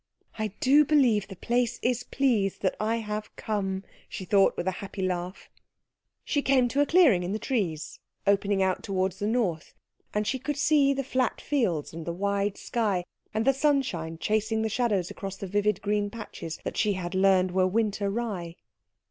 "I do believe the place is pleased that I have come!" she thought, with a happy laugh. She came to a clearing in the trees, opening out towards the north, and she could see the flat fields and the wide sky and the sunshine chasing the shadows across the vivid green patches that she had learned were winter rye.